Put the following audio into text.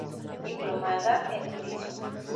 Diplomada en Turismo.